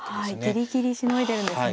ギリギリしのいでるんですね。